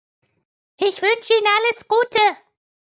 Ich wünsche ihnen alles Gute.